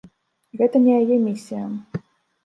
Гэта не яе місія.